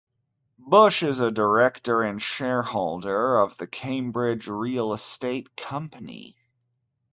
Bush is a director and shareholder of the Cambridge Real Estate Company.